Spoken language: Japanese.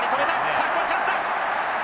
さあここはチャンスだ。